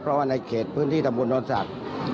เพราะว่าในเขตพื้นที่ตำบลโนนศักดิ์